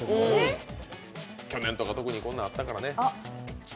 去年とか特にこんなあったからね。